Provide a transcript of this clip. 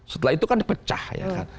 setelah itu kan pecah ya kan